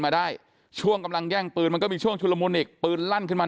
มาได้ช่วงกำลังแย่งปืนมันก็มีช่วงชุลมุนอีกปืนลั่นขึ้นมา